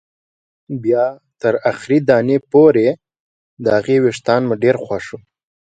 بیا تر اخري دانې پورې، د هغې وېښتان مې ډېر خوښ وو.